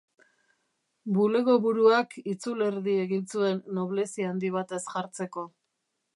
Bulegoburuak itzulerdi egin zuen noblezia handi batez jartzeko.